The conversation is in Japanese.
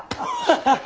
ハハハハ。